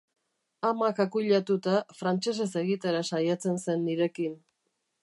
Amak akuilatuta, frantsesez egitera saiatzen zen nirekin.